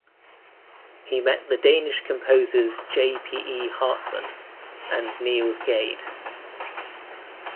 He met the Danish composers J. P. E. Hartmann and Niels Gade.